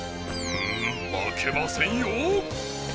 んまけませんよ！